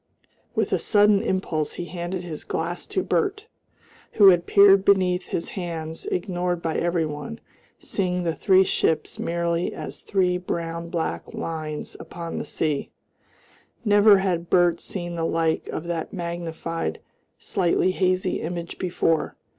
With a sudden impulse he handed his glass to Bert, who had peered beneath his hands, ignored by every one, seeing the three ships merely as three brown black lines upon the sea. Never had Bert seen the like of that magnified slightly hazy image before.